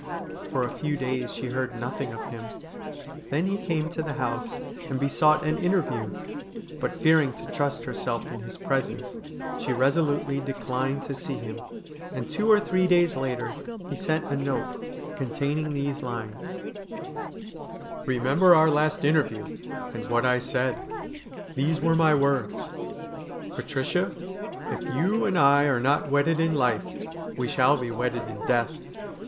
For a few days she heard nothing of him. Then he came to the house, and besought an interview, but, fearing to trust herself in his presence, she resolutely declined to see him, THE BRIDE OF DEATH 99 and two or three days later he sent a note containing these lines :' Remember our last interview, and ivhat I said. These were my words :—" Patricia, if you and I are not wedded in life, we shall be wedded in death.